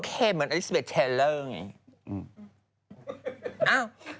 ออเคเหมือนอลิสาเบทเทลเลอร์ไง